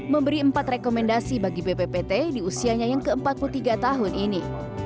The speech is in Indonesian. memberi empat rekomendasi bagi bppt di usianya yang ke empat puluh tiga tahun ini